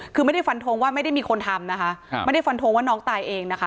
คือไม่ได้ฟันทงว่าไม่ได้มีคนทำนะคะไม่ได้ฟันทงว่าน้องตายเองนะคะ